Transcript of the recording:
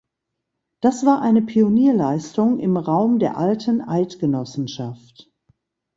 Das war eine Pionierleistung im Raum der Alten Eidgenossenschaft.